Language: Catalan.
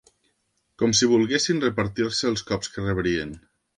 Com si volguessin repartir-se'ls cops que rebrien